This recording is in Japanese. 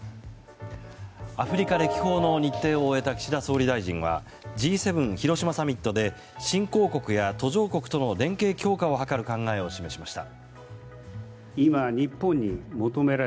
アフリカ歴訪の日程を終えた岸田総理大臣はＧ７広島サミットで新興国や途上国との連携強化を図る考えを示しました。